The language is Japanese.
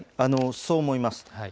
そう思います。